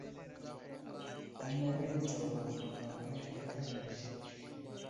Amereŋ dzagu aŋgwalaŋ ahe kava i zik.